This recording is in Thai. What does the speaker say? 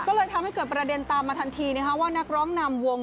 ก็เลยทำให้เกิดประเด็นตามมาทันทีว่านักร้องนำวง